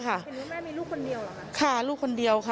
เห็นว่าแม่มีลูกคนเดียวเหรอคะค่ะลูกคนเดียวค่ะ